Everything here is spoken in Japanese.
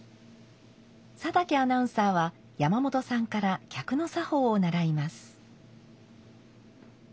佐竹アナウンサーは山本さんから客の作法を習います。